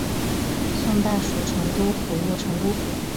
宋代属成都府路成都府。